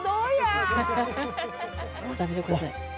食べてください。